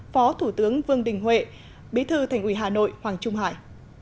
phó thủ tướng vương đình huệ bí thư thành ủy hà nội hoàng trung hải